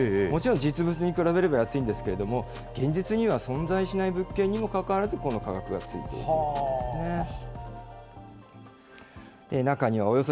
もちろん実物に比べれば安いんですけれども、現実には存在しない物件にもかかわらず、この価格がついているということなんですね。